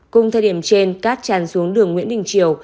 cùng thời điểm trên cát tràn xuống đường nguyễn đình triều